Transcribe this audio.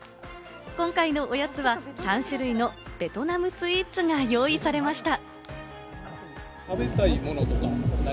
今回のおやつは３種類のベトナムスイーツが用意されました。